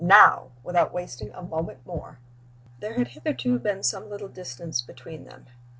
Now! Without wasting a moment more!" There had hitherto been some little distance between them.